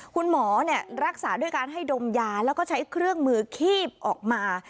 คุณหมอรักษาด้วยการให้ดมยาแล้วก็ใช้เครื่องมือคีบออกมา